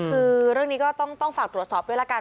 คือเรื่องนี้ก็ต้องฝากตรวจสอบด้วยละกัน